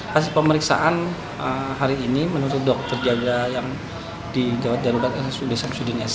hasil pemeriksaan hari ini menurut dokter jaga yang di gawat darurat rsud samsudin sya